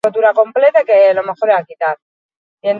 Pilotaren aurretik, futbolaren txanda izango da.